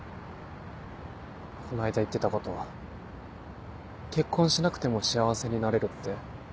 この間言ってたこと結婚しなくても幸せになれるって。